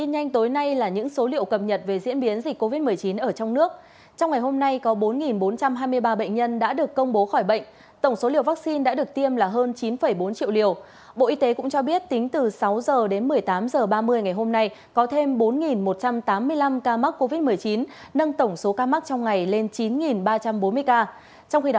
hãy đăng ký kênh để ủng hộ kênh của chúng mình nhé